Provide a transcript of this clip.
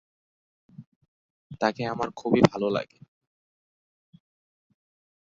তিনি শহরটিকে যুক্তরাষ্ট্রের ম্যানচেস্টারের মতই উন্নত ও সমৃদ্ধ করতে চেয়েছিলেন।